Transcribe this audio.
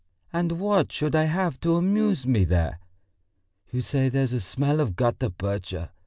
And what should I have to amuse me there?... You say there's a smell of gutta percha?